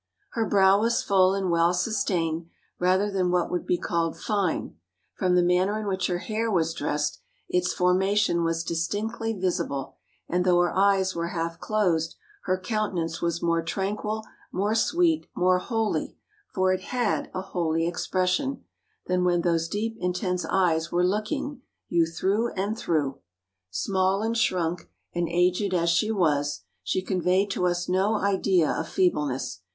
] "Her brow was full and well sustained, rather than what would be called fine: from the manner in which her hair was dressed, its formation was distinctly visible; and though her eyes were half closed, her countenance was more tranquil, more sweet, more holy for it had a holy expression than when those deep intense eyes were looking you through and through. Small, and shrunk, and aged as she was, she conveyed to us no idea of feebleness.